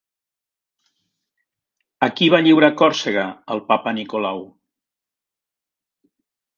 A qui va lliurar Còrsega el Papa Nicolau?